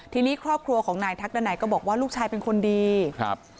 ทีนี้ครอบครัวของนายทักดันัยก็บอกว่าลูกชายเป็นคนดีครับ